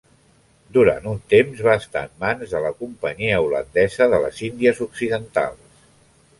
Durant un temps va estar en mans de la Companyia Holandesa de les Índies Occidentals.